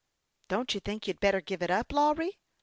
" Don't you think you had better give it up, Lawry